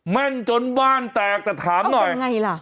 แม่นจนบ้านแตกแต่ถามหน่อยยังไงล่ะ